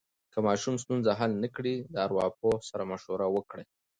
که ماشوم ستونزه حل نه کړي، د ارواپوه سره مشوره وکړئ.